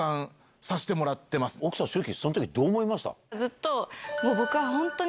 奥さんその時どう思いました？